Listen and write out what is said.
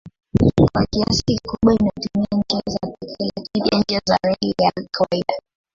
Kwa kiasi kikubwa inatumia njia za pekee lakini pia njia za reli ya kawaida.